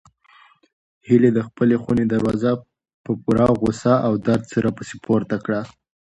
هیلې د خپلې خونې دروازه په پوره غوسه او درد سره پسې پورته کړه.